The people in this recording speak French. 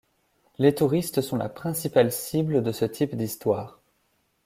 Les touristes sont la principale cible de ce type d'histoires.